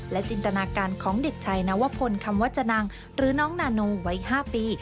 จินตนาการของเด็กชายนวพลคำวจนังหรือน้องนานูวัย๕ปี